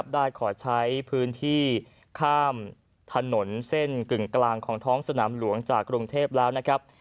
ได้ขอใช้พื้นที่ข้ามถนนเส้นกึ่งกลางของท้องสนามหลวงจากกรุงเทพแล้วนะครับ